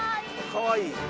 かわいい。